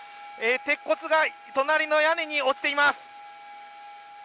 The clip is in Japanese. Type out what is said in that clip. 鉄骨が隣の屋根に落ちています。